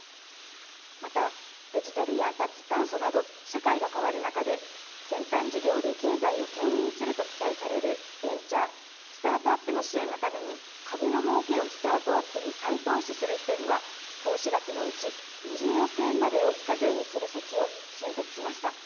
また、デジタルや脱炭素など、社会が変わる中で、先端事業で経済をけん引すると期待されるベンチャー、スタートアップの支援のために、株のもうけをスタートアップに再投資する人には、投資額のうち、２０億円までを非課税にする措置を新設しました。